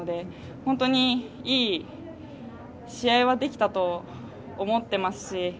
本当にいい試合はできたと思っていますし。